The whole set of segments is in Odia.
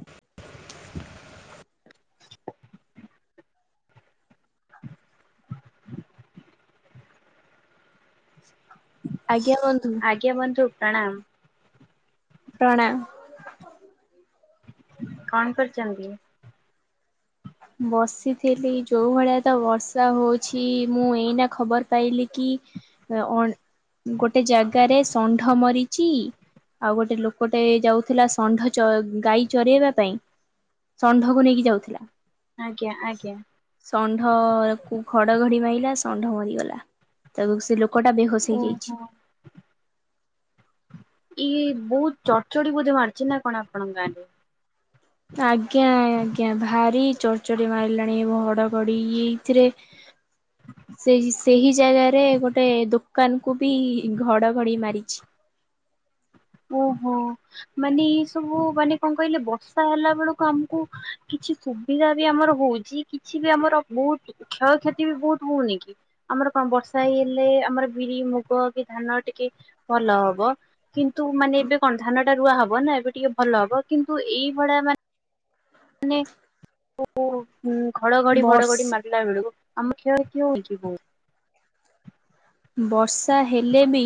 [inaudible] ଆଜ୍ଞା ଆଜ୍ଞା ବନ୍ଧୁ ପ୍ରଣାମ। ପ୍ରଣାମ। କଣ କରୁଚନ୍ତି? ବସିଥିଲି ଯୋଉଭଳିଆ ତ ବର୍ଷା ହଉଛି, ମୁଁ ଏଇନା ଖବର ପାଇଲି କି ଅ ଗୋଟେ ଜାଗାରେ ଷଣ୍ଢ ମରିଚି। ଆଉ ଗୋଟେ ଲୋକଟେ ଯାଉଥିଲା ଷଣ୍ଢ ଗାଈ ଚରେଇବା ପାଇଁ। ଷଣ୍ଢକୁ ନେଇକି ଯାଉଥିଲା। ଆଜ୍ଞା ଆଜ୍ଞା। ଷଣ୍ଢ କୁ ଘଡଘଡି ମାଇଲା ଷଣ୍ଢ ମରିଗଲା। ତାକୁ ସେ ଲୋକଟା ବେହୋସ ଓହୋ। ହେଇଯାଇଛି। ଇଏ ବହୁତ ଚଡ଼ଚଡି ବୋଧେ ମାରିଛି ନା କଣ ଆପଣଙ୍କ ଗାଁ ରେ। ଆଜ୍ଞା ଆଜ୍ଞା, ଭାରି ଚଡ଼ଚଡି ମାରିଲାଣି, ହଡଘଡି ଏଇଥିରେ [inaudible] ସେ ସେହି ଜାଗାରେ ଗୋଟେ ଦୋକାନ କୁ ବି ଘଡ଼ଘଡ଼ି ମାରିଛି। ଓହୋ। ମାନେ ଏଇ ସବୁ ମାନେ କଣ କହିଲେ ବର୍ଷା ହେଲା ବେଳକୁ ଆମକୁ କିଛି ସୁବିଧା ବି ଆମର ହଉଛି, କିଛି ବି ଆମର ବହୁତ କ୍ଷୟକ୍ଷତି ବି ବହୁତ ହଉନି କି? ଆମର କଣ ବର୍ଷା ହେଇ ହେଲେ ଆମର ବିରି ମୁଗ କି ଧାନ ଟିକେ ଭଲ ହବ। ତୁ ମାନେ ଏବେ କଣ ଧାନ ଟା ରୁଆ ହବ ନା, ଏବେ ଟିକେ ଭଲ ହବ କିନ୍ତୁ ଏଇଭଳିଆ ମାନେ ମାନେ ଘଡଘଡି ଘଡଘଡି ମା ବର୍ଷ ପିଲା ବେଳକୁ ଆମ [unintelligible] କିଏ ହଉଛି ବହୁତ। ବର୍ଷା ହେଲେ ବି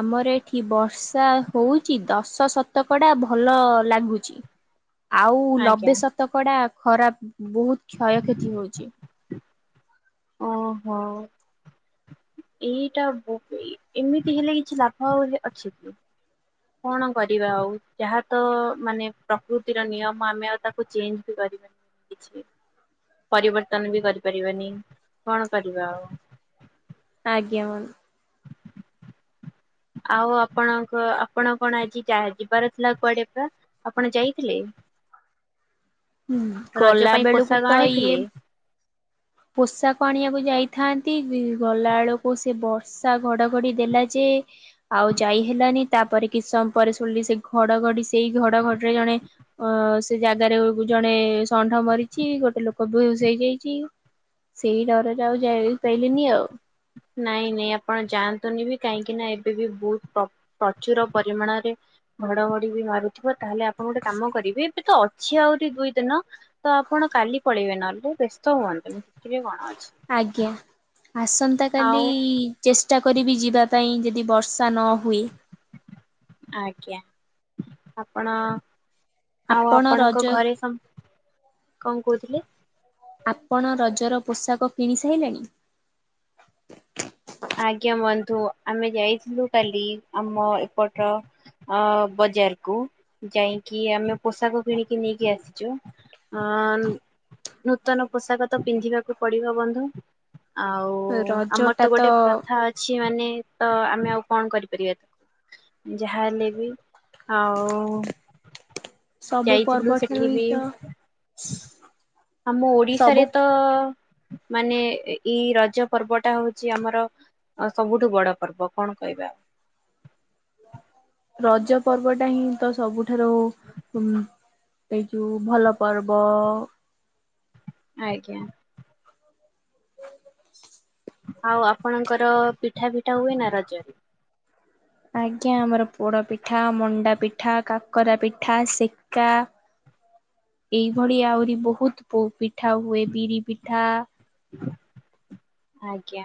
ଆମର ଏଠି ବର୍ଷା ହଉଚି, ଦଶ ଶତକଡା ଭଲ ଲାଗୁଚି। [inaudible] ଆଉ ଆଜ୍ଞା ଲବେ ଶତକଡା ଖରାପ ବହୁତ କ୍ଷୟକ୍ଷତି ହଉଛି। ଓହୋ। ଏଇଟା ଏମିତି ହେଲେ କିଛି ଲାଭ ଅଛି କି। କଣ କରିବା ଆଉ ଯାହା ତ ମାନେ ପ୍ରକୃତିର ନିୟମ ଆମେ ଆଉ ତାକୁ ଚେଞ୍ଜ୍ ବି କରିବନି। କିଛି [unintelligible] ପରିବର୍ତ୍ତନ ବି କରିପାରିବନି କଣ କରିବା ଆଉ। ଆଜ୍ଞା ମ ଆଉ ଆପଣଙ୍କ ଆପଣ କଣ ଆଜି ଯିବାର ଥିଲା କୁଆଡେ ପା। ଆପଣ ଯାଇଥିଲେ? ମ୍ୟାମ୍ ରଜ ଗଲା ପାଇଁ ବେଳକୁ ତ ପୋଷାକ ଇଏ ଆଣିଥିଲେ? ପୋଷାକ ଆଣିବାକୁ ଯାଇଥାନ୍ତି ଗଲା ବେଳକୁ ସେ ବର୍ଷା ଘଡଘଡି ଦେଲା ଯେ ଆଉ ଯାଇ ହେଲାନି ତାପରେ କିଛି ସମୟ ପରେ ଶୁଣିଲି ସେ ଘଡଘଡି ସେଇ ଘଡଘଡିରେ ଜଣେ ଅ ସେ ଜାଗାରେ ଜଣେ ଷଣ୍ଢ ମରିଛି ଗୋଟେ ଲୋକ ବେହୋଷ ହେଇଯାଇଛି। ସେଇ ଡରରେ ଆଉ ଯାଇ ପାଇଲିନି ଆଉ ନାଇଁ ନାଇଁ ଆପଣ ଯାଆନ୍ତୁନି ବି କାହିଁକି ନା ଏବେ ବି ବହୁତ ପ୍ରଚୁର ପରିମାଣରେ ଘଡ ଘଡି ବି ମାରୁଥିବ ତାହେଲେ ଆପଣ ଗୋଟେ କାମ କରିବେ ଏବେ ତ ଅଛି ଆହୁରି ଦୁଇ ଦିନ ତ ଆପଣ କାଲି ପଳେଇବେ ନହେଲେ ବ୍ୟସ୍ତ ହୁଅନ୍ତୁନି ସେଥିରେ କଣ ଅଛି? ଆଜ୍ଞା ଆସନ୍ତା ଆଉ କାଲି ଚେଷ୍ଟା କରିବି ଯିବା ପାଇଁ ଯଦି ବର୍ଷା ନ ହୁଏ ଆଜ୍ଞା ଆପଣ ଆଉ ଆପଣ ରଜ ଆପଣଙ୍କ ଘରେ [unintelligible] କଣ କହୁଥିଲେ? ଆପଣ ରଜର ପୋଷାକ କିଣି ସାଇଲେଣି? ଆଜ୍ଞା ବନ୍ଧୁ ଆମେ ଯାଇଥିଲୁ କାଲି ଆମ ଏପଟ ଅ ବଜାରକୁୁ ଯାଇକି ଆମେ ପୋଷାକ କିଣିକି ନେଇକି ଆସିଛୁ ଅଁ ନୂତନ ପୋଷାକ ତ ପିନ୍ଧିବାକୁ ପଡିବ ବନ୍ଧୁ ଆଉ ରଜ ଆମର ଟା ତ ଗୋଟେ ପ୍ରଥା ଅଛି ମାନେ ତ ଆମେ ଆଉ କଣ କରିପାରିବା ତାକୁ ଯାହା ହେଲେ ବି ଆଉ ସବୁ ପର୍ବ ଯାଇଥିଲୁ ଠାରୁ ସେଠି ହିଁ ବି ତ [inaudible] ଆମ ସବୁ ଓଡିଶାରେ ତ ମାନେ ଏଇ ରଜ ପର୍ବଟା ହଉଛି ଆମର ହ ସବୁଠୁ ବଡ ପର୍ବ କଣ କହିବା ରଜ ପର୍ବ ଟା ହିଁ ତ ସବୁଠାରୁ ଏଇ ଯୋଉଁ ଭଲ ପର୍ବ ଆଜ୍ଞା। ଆଉ ଆପଣଙ୍କର ପିଠା ପିଠା ହୁଏ ନା ରଜରେ ଆଜ୍ଞା ଆମର ପୋଡ଼ପିଠା ମଣ୍ଡା ପିଠା କାକରା ପିଠା ସେକା ଏଇଭଳି ଆହୁରି ବହୁତ ପିଠା ହୁଏ ବିରି ପିଠା [inaudible] ଆଜ୍ଞା।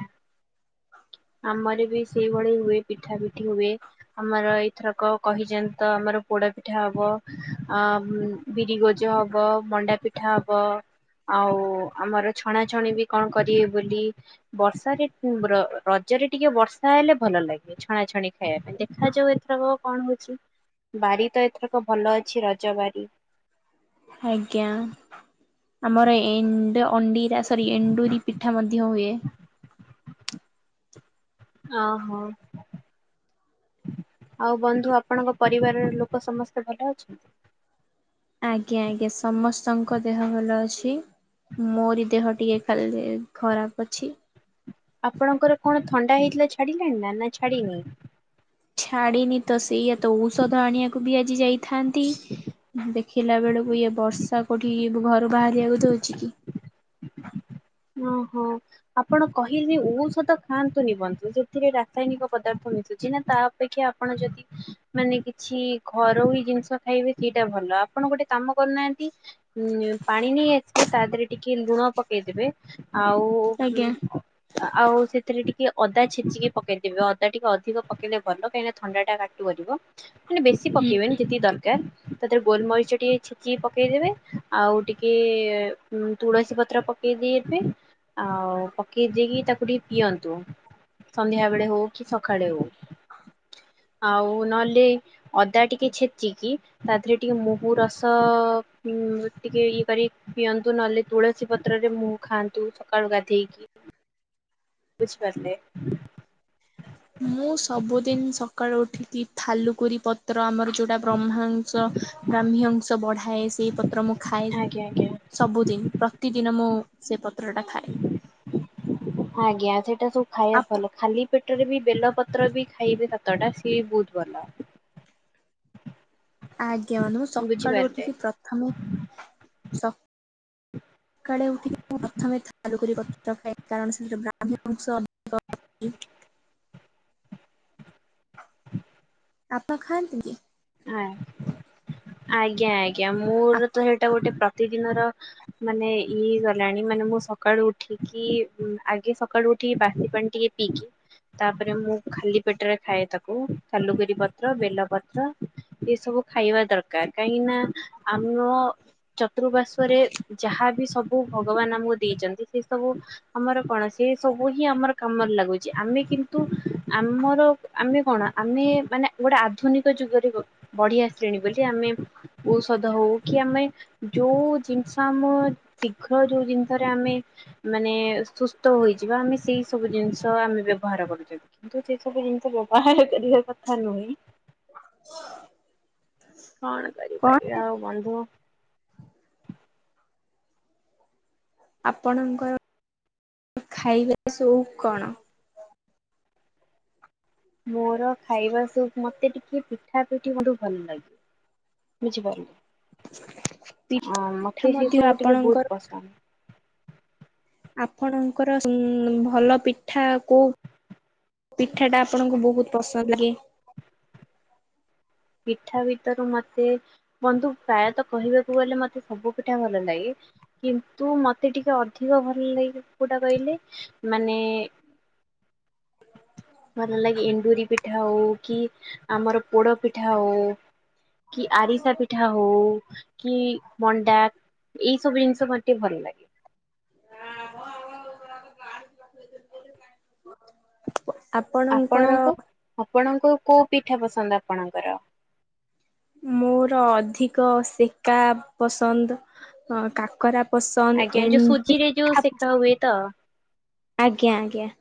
ଆମର ବି ସେଇଭଳି ହୁଏ ପିଠା ପିଠି ହୁଏ ଆମର ଏଇଥରକ କହିଛନ୍ତିଛନ୍ତି ତ ଆମର ପୋଡା ପିଠା ହବ ଆଁ ବିରି ଗୋଜ ହବ ମଣ୍ଡା ପିଠା ହବ ଆଉ ଆମର ଛଣାଛଣି ବି କଣ କରିବେ ବୋଲି ବର୍ଷା ରେ [unintelligible] ରଜରେ ଟିକେ ବର୍ଷା ହେଲେ ଭଲ ଲାଗେ ଛଣାଛଣି ଖାଇବା ପାଇଁ ଦେଖାଯାଉ ଏଥର କଣ ହଉଛି ବାରି ତ ଏଥରକ ଭଲ ଅଛି ରଜ ବାରି ଆଜ୍ଞା। ଆମର ଏ ଅଣ୍ଡିରା ସରି ଏଣ୍ଡୁରି ପିଠା ମଧ୍ୟ ହୁଏ ହଁ ହଁ। ଆଉ ବନ୍ଧୁ ଆପଣଙ୍କ ପରିବାରର ଲୋକ ସମସ୍ତେ ଭଲ ଅଛନ୍ତି? ଆଜ୍ଞା ଆଜ୍ଞା ସମସ୍ତଙ୍କ ଦେହ ଭଲ ଅଛି। ମୋରି ଦେହ ଟିକେ ଖାଲି ଖରାପ ଅଛି। ଆପଣଙ୍କର କଣ ଥଣ୍ଡା ହେଇଥିଲା ଛାଡିଲାଣି ନା, ନା ଛାଡିିନି? ଛାଡ଼ିନି ତ, ସେଇୟା ତ, ଔଷଧ ଆଣିବାକୁ ବି ଆଜି ଯାଇଥାନ୍ତି। ଦେଖିଲା ବେଳକୁ ଇଏ ବର୍ଷା କୋଉଠି ଘରୁ ବାହାରିବାକୁ ଦଉଛି କି? ଓହୋ। ଆପଣ କହିଲେ ଔଷଧ ଖାଆନ୍ତୁନି ବନ୍ଧୁ, ସେଥିରେ ରାସାୟନିକ ପଦାର୍ଥ ମିଶୁଛି ନା ତା ଅପେକ୍ଷା ଆପଣ ଯଦି ମାନେ କିଛି ଘରୋଇ ଜିନିଷ ଖାଇବେ ସେଇଟା ଭଲ, ଆପଣ ଗୋଟେ କାମ କରୁନାହାନ୍ତି ଉଁ ପାଣି ନେଇ ଆସିବେ ତା ଦେହରେ ଟିକେ ଲୁଣ ପକେଇଦବେ ଆଉ ଆଜ୍ଞା ଆଉ ସେଥିରେ ଟିକେ ଅଦା ଛେଚିକି ପକେଇଦେବେ, ଅଦା ଟିକେ ଅଧିକ ପକେଇଲେ ଭଲ କାହିଁକିନା ଥଣ୍ଡା ଟା [unintelligible] ମାନେ ବେଶୀ ହୁଁ। ପକେଇବେନି, ଯେତିକି ଦରକାର, ତା ଦେହରେ ଗୋଲମରିଚ ଟିକେ ଛେଚିକି ପକେଇଦେବେ। ଆଉ ଟିକେ ଉଁ ତୁଳସୀ ପତ୍ର ପକେଇଦିଏ। ବେ ଆଉ ପକେଇ ଦେଇକି ତାକୁ ଟିକେ ପିଅନ୍ତୁ। ସନ୍ଧ୍ୟାବେଳେ ହଉ କି, ସଖାଳେ ହଉ, ଆଉ ନହେଲେ ଅଦା ଟିକେ ଛେଚିକି, ତା ଦେହରେ ଟିକେ ମହୁରସ ଉଁ ଟିକେ ଇଏ କରି ପିଅନ୍ତୁ ନହେଲେ ତୁଳସୀ ପତ୍ରରେ ମହୁ ଖାଆନ୍ତୁ ସକାଳୁ ଗାଧେଇକି। ବୁଝି ପାରିଲେ? ମୁଁ ସବୁଦିନ ସକାଳୁ ଉଠିକି, ଥାଲୁକୁରି ପତ୍ର ଆମର। ଯୋଉଟା ବ୍ରହ୍ମାଂଶ ବ୍ରାହ୍ମୀ ଅଂଶ ବଢାଏ ସେଇ ପତ୍ର ମୁଁ ଖାଏ। ଆଜ୍ଞା ଆଜ୍ଞା। ସବୁଦିନ ପ୍ରତିଦିନ ମୁଁ ସେ ପତ୍ରଟା ଖାଏ। ଆଜ୍ଞା ସେଇଟା ସବୁ ଖାଇଆ ଆପ ଭଲ ଖାଲି ପେଟରେ ବି ବେଲ ପତ୍ର ବି ଖାଇବେ ସାତଟା ସିଏ ବୋହୁତ ଭଲ। ଆଜ୍ଞା ମୁଁ ସକାଳୁ ବୁଝିପାରିଲେ ଉଠିକି ପ୍ରଥମେ ସ [inaudible] ସକାଳେ ଉଠିକି ମୁଁ ପ୍ରଥମେ ଥାଲୁକୁରି ପତ୍ର ଖାଏ, କାରଣ ସେଥିରେ ବ୍ରାହ୍ମୀ ଅଂଶ ଅଛି। ଆପଣ ଖାଆନ୍ତି କି? ଆ ଆଜ୍ଞା ଆଜ୍ଞା ମୋର ତ ସେଇଟା ଗୋଟେ ପ୍ରତିଦିନର ମାନେ ଇଏ ଗଲାଣି ମାନେ ମୁଁ ସକାଳୁ ଉଠିକି ଉଁ ଆଗେ ସକାଳୁ ଉଠିକି ବାସି ପାଣି ଟିକେ ପିଇକି ତାପରେ ମୁଁ ଖାଲି ପେଟରେ ଖାଏ ତାକୁ, ଥାଲୁକୁରି ପତ୍ର ବେଲ ପତ୍ର। ଏ ସବୁ ଖାଇବା ଦରକାର କାହିଁକି ନା ଆମ ଚତୃପାର୍ଶ୍ୱରେ ଯାହା ବିି ସବୁ ଭଗବାନ ଆମକୁ ଦେଇଚନ୍ତି ସେ ସବୁ ଆମର କଣ ସେ ସବୁ ହିଁ ଆମର କାମରେ ଲାଗୁଚି ଆମେ କିନ୍ତୁ ଆମର ଆମେ କଣ ଆମେ ମାନେ ଗୋଟେ ଆଧୁନିକ ଯୁଗରେ ବ ବଢିଆସିଲେଣି, ବୋଲି ଆମେ ଔଷଧ ହଉ କି ଆମେ ଯୋଉ ଜିନିଷ ଆମ ଶୀଘ୍ର ଯୋଉ ଜିନିଷରେ ଆମେ ମାନେ ସୁସ୍ତ ହୋଇଯିବା, ଆମେ ସେଇ ସବୁ ଜିନିଷ ଆମେ ବ୍ୟବହାର କରୁଚନ୍ତି। କିନ୍ତୁ ସେ ସବୁ ଜିନିଷ ବ୍ୟବହାର କରିବା କଥା ନୁହେଁ। କଣ କଣ କରିପାରିବା ଆଉ ବନ୍ଧୁ। ଆପଣଙ୍କର ଖାଇବା ସଉକ୍ କଣ? ମୋର ଖାଇବା ସଉକ୍ ମତେ ଟିକେ ପିଠା ପିଠି [unintelligible] ଭଲ ଲାଗେ। ବୁଝିପାରିଲେ ଆ ପିଠା ମତେ ସେଇ ମଧ୍ୟ ସବୁ ଟିକେ ଆପଣଙ୍କର ବହୁତ ପସନ୍ଦ। ଆପଣଙ୍କର ଉଁ ଭଲ ପିଠା କୋଉ? ପିଠାଟା ଆପଣଙ୍କୁ ବହୁତ ପସନ୍ଦ ଲାଗେ? ପିଠା ଭିତରୁ ମତେ ବନ୍ଧୁ ପ୍ରାୟତଃ କହିବାକୁ ଗଲେ ମତେ ସବୁ ପିଠା ଭଲ ଲାଗେ। କିନ୍ତୁ ମତେ ଟିକେ ଅଧିକ ଭଲ ଲାଗେ କୋଉଟା କହିଲେ ମାନେ ଭଲ ଲାଗେ ଏଣ୍ଡୁରି ପିଠା ହଉ କି ଆମର ପୋଡ ପିଠା ହଉ। କି ଆରିସା ପିଠା ହଉ କି ମଣ୍ଡା ଏଇ ସବୁ ଜିନିଷ ମତେ ଟିକେ ଭଲ ଲାଗେ। [unintelligible] ଆପଣଙ୍କର ଆପଣଙ୍କୁ ଆପଣଙ୍କୁ କୋଉ ପିଠା ପସନ୍ଦ ଆପଣଙ୍କର? ମୋର ଅଧିକ ସେକା ପସନ୍ଦ ଆଁ କାକରା ପସନ୍ଦ ଆଜ୍ଞା ଏ ଯୋଉ ସୁଜିରେ ଯୋଉ ସେକା [unintelligible] ଆଜ୍ଞା ହୁଏ ତ? ଆଜ୍ଞା।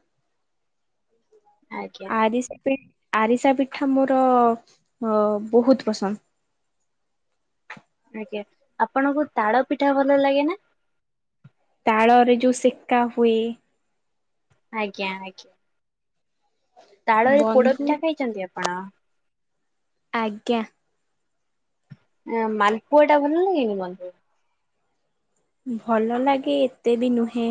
ଆଜ୍ଞା ଆରିସା ପି ଆରିସା ପିଠା ମୋର ଅ ବୋହୁତ ପସନ୍ଦ। ଆଜ୍ଞା ଆପଣଙ୍କୁ ତାଳ ପିଠା ଭଲ ଲାଗେ ନା? ତାଳରେ ଯୋଉ ସେକା ହୁଏ। ଆଜ୍ଞା ଆଜ୍ଞା। ତାଳରେ ପୋଡ ବନ୍ଧୁ ପିଠା ଖାଇଚନ୍ତି ଆପଣ? ଆଜ୍ଞା। ମାଲପୁଅ ଟା ବଲ ଲାଗେନି ମତେ? ଭଲ ଲାଗେ ଏତେ ବି ନୁହେଁ।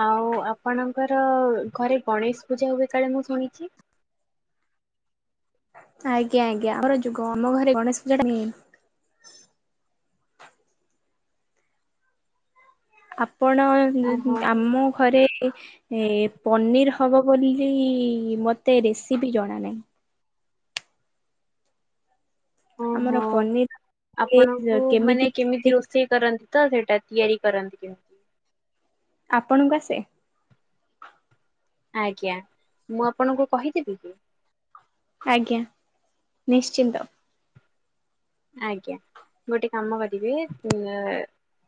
ଆଉ ଆପଣଙ୍କର ଘରେ ଗଣେଶ ପୂଜା ହୁଏ କାଳେ ମୁଁ ଶୁଣିଛି। ଆଜ୍ଞା ଆଜ୍ଞା ଆମର ଯୁଗ ଆମ ଘରେ ଗଣେଶ ପୂଜା ଟା ନି ଆପଣ ଜି ଓହୋ ଆମ ଘରେ ଏ ପନିର୍ ହେବ ବୋଲି ମୋତେ ରେସିପି ଜଣା ନାହିଁ। ଆମର ଓହୋ ପନିର ଆପଣଙ୍କୁ ମାନେ କେମିତି ରୋଷେଇ କରନ୍ତି? ତ ସେଇଟା ତିଆରି କରନ୍ତି କେମିତି? ଆପଣଙ୍କୁ ଆସେ? ଆଜ୍ଞା ମୁଁ ଆପଣଙ୍କୁ କହିଦେବି କି? ଆଜ୍ଞା ନିଶ୍ଚିନ୍ତ। ଆଜ୍ଞା। ଗୋଟେ କାମ କରିବେ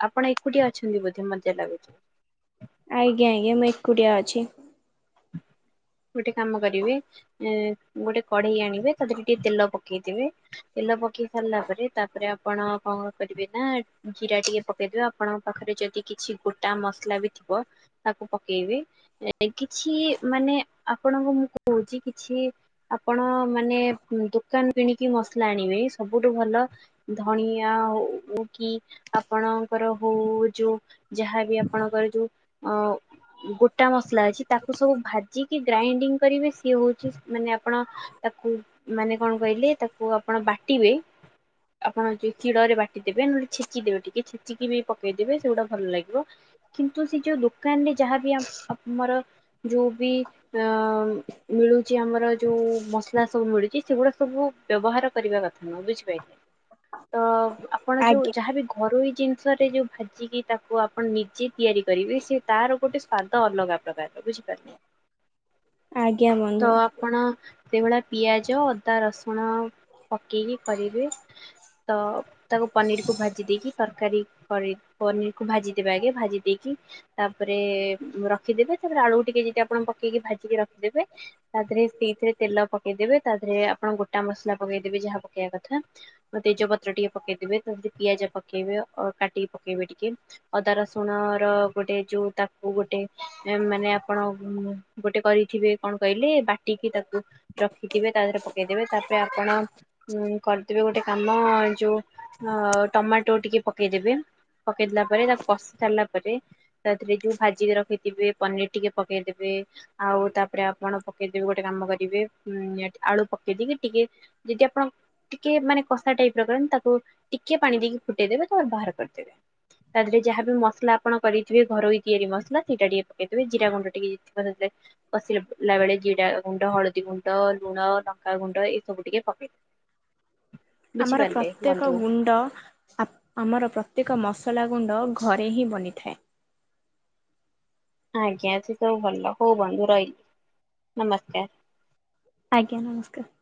ଆପଣ ଏକୁଟିିଆ ଅଛନ୍ତି ବୋଧେ ମଜା ଲାଗୁଛି। ଆଜ୍ଞା ଆଜ୍ଞା ମୁଁ ଏକୁଟିଆ ଅଛି। ହ ଗୋଟେ କାମ କରିବେ ଏ ଗୋଟେ କଢେଇ ଆଣିବେ ତା ଦେହରେ ଟିକେ ତେଲ ପକେଇ ଦେବେ। ତେଲ ପକେଇ ସାରିଲା ପରେ ତାପରେ ଆପଣ କଣ କରିବେ ନା ଜିରା ଟିକେ ପକେଇଦବ ଆପଣଙ୍କ ପାଖରେ ଯଦି କିଛି ଗୋଟା ମସଲା ବି ଥିବ ତାକୁ ପକେଇବେ କିଛି ମାନେ ଆପଣଙ୍କୁ ମୁଁ କହୁଛି କିଛି ଆପଣ ମାନେ ଦୋକାନ କିଣିକି ମସଲା ଆଣିବେ ସବୁଠୁ ଭଲ ଧଣିଆ ହଉ କି ଆପଣଙ୍କର ହଉ ଯୋଉ ଯାହାବି ଆପଣଙ୍କର ଯୋଉ ଅ ଗୋଟା ମସଲା ଅଛି। ତାକୁ ସବୁ ଭାଜିକି ଗ୍ରାଇଣ୍ଡିଙ୍ଗ କରିବେ ସିଏ ହେଉଛି ମାନେ ଆପଣ ତାକୁ ମାନେ କଣ କହିଲେ ତାକୁ ଆପଣ ବାଟିବେ ଆପଣ ଯୋଉ ଚିଡରେ ବାଟିଦେବେ ନହେଲେେ ଛେଚିଦେବେ ଟିକେ ଛେଚିକି ବି ପକେଇଦେବେ ସେଗୁଡା ଭଲ ଲାଗିବ। କିନ୍ତୁ ସେ ଯୋଉ ଦୋକାନରେ ଯାହାବି ଆମର ଯୋଉ ବି ଅ ମିଳୁଛି ଆମର ଯୋଉ ମସଲା ସବୁ ମିଳୁଛି ସେଗୁଡା ସବୁ ବ୍ୟବହାର କରିବା କଥା ନୁହଁ ବୁଝିପାରିଲେ? ତ ଆପଣ ଯୋଉ ଆଜ୍ଞା ଯାହାବି ଘରୋଇ ଜି ରେ ଯୋଉ ଭାଜିକି ତାକୁ ଆପଣ ନିଜେ ତିଆରି କରିବେ ସେ ତାର ଗୋଟେ ସ୍ଵାଦ ଅଲଗା ପ୍ରକାରର ବୁଝ ଆଜ୍ଞା ବନ୍ଦୁ। ତ ଆପଣ ସେଇଭଳିଆ ପିଆଜ ଅଦା ରସୁଣ ପକେଇକି କରିବେ। ତ ତାକୁ ପନିର କୁ ଭାଜି ଦେଇକି ତରକାରୀ କରି ପନିର କୁ ଭାଜିଦବା ଆଗେ ଭାଜି ଦେଇକି ତାପରେ ରଖିଦେବେ ତାପରେ ଆଳୁ ଟିକେ ଯିତି ଆପଣ ପକେଇକି ଭାଜିକି ରଖିଦେବେ। ତା ଦେହରେ ସେଇଥିରେ ତେଲ ପକେଇଦବେ ତା ଦେହରେ ଆପଣ ଗୋଟା ମସଲା ପକେଇଦବେ ଯାହା ପକେଇବା କଥା। ତେଜପତ୍ର ଟିକେ ପକେଇଦବେ ତାରେ ପିଆଜ ପକେଇବେ ଅ କାଟିକି ପକେଇବେ ଟିକେ। ଅଦା ରସୁଣ ର ଗୋଟେ ଯୋଉ ତାକୁ ଗୋଟେ ନା ମାନେ ଆପଣ ଗୋଟେ କରିଥିବେ କଣ କହିଲେ ବାଟିକି ତାକୁ ରଖିଥିବେ ତା ଦେହରେ ପକେଇଦେବେ ତାପରେ ଆପଣ ଉଁ କରିଦେବେ ଗୋଟେ କାମ ଯୋଉ ଟମାଟୋ ଟିକେ ପକେଇଦେବେ। ପକେଇଦେଲା ପରେ ତାକୁ କଷି ସାରିଲା ପରେ ତାଦିହରେ ଯୋଉ ଭାଜିିକି ରଖିଥିବେ ପନିର ଟିକେ ପକେଇଦେବେ ଆଉ ତା ଫୁଟଣ ପକେଇଦେବେ ଗୋଟେ କାମ କରିବେ, ଉ ଆଳୁ ପକେଇଦକି ଟିକେ ମିନିମମ୍ ଟିକେ ମାନେ କଷା ଟାଇପ ର କ ତାକୁ ଟିକେ ପାଣି ଦେଇକି ଫୁଟେଇଦେବେ ତା ବାହାର କରିଦେବେ। ତା ଦେହରେ ଯାହା ବି ମସଲା ଆପଣ କରଥିବେ ଘରୋଇ ତିଆରି ମସଲା ସେଇଟା ଟିକେ ପକେଇଦେବେ, ଜିରା ଗୁଣ୍ଡ ଟିକେଥ ସେରେ [unintelligible] ପିଲା ବେଳେ ଜିରା ଗୁଣ୍ଡ ହଳଦୀ ଗୁଣ୍ଡ ଲୁଣ ଲଙ୍କାଗୁଣ୍ଡ ଏସବୁ ଟିକେ ଏ ଆମର ପ୍ରତ୍ୟେକ ବନ୍ଧୁ ଗୁଣ୍ଡ ଆ ଆମର ପ୍ରତ୍ୟେକ ମସଲା ଗୁଣ୍ଡ ଘରେ ହିଁ ବନିଥାଏ। ଆଜ୍ଞା ସେ ସବୁ ଭଲ ହଉ ବନ୍ଧୁ ରହିଲି ନମସ୍କାର। ଆଜ୍ଞା ନମସ୍କାର।